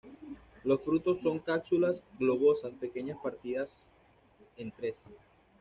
Los frutos son cápsulas globosas pequeñas partidas en tres.